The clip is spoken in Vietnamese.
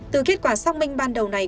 từ kết quả xác minh ban đầu này